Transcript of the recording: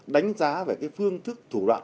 đánh giá về cái phương thức thủ đoạn